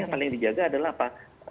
yang paling dijaga adalah apa